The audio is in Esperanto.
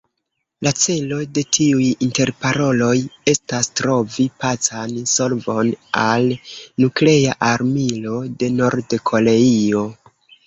La celo de tiuj interparoloj estas trovi pacan solvon al Nuklea Armilo de Nord-Koreio.